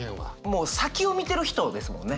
もう先を見てる人ですもんね。